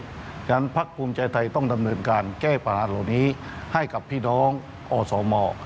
เพราะฉะนั้นพักภูมิใจไทยต้องดำเนินการแก้ปัญหาเหล่านี้ให้กับพี่น้องอสม